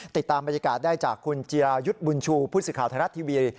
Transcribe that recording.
ติดตามบรรยากาศได้จากคุณจิรายุทธ์บุญชูพุทธศิษยาวธรรมดาทีวี